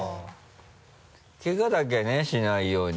ケガだけねしないように。